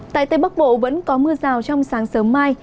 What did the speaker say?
tại tây bắc bộ vẫn có mưa rào trong sáng sớm mai